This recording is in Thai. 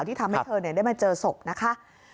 ที่ทำให้เธอได้มาเจอศพนะคะ